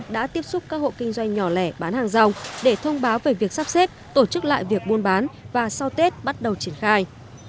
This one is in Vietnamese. đã tiếp xúc các hộ kinh doanh nhỏ lẻ bán hàng rong để thông báo về việc sắp xếp tổ chức lại việc buôn bán và sau tết bắt đầu triển khai